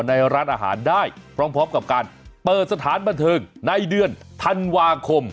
ในร้านอาหารได้พร้อมกับการเปิดสถานบันเทิงในเดือนธันวาคม